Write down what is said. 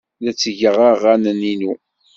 La ttgeɣ aɣanen-inu.